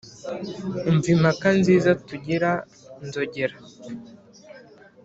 umva impaka nziza tugira nzogera